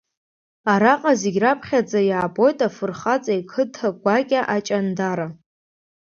Араҟа зегь раԥхьаӡагьы иаабоит афырхаҵа иқыҭа гәакьа Аҷандара…